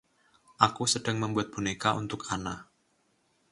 Aku sedang membuat boneka untuk Anna.